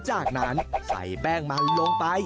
จากนั้นใส่แป้งมันลงไป